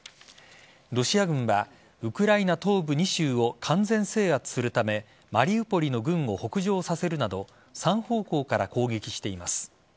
ロシア軍はウクライナ東部２州を完全制圧するためマリウポリの軍を北上させるなど３方向から攻撃しています。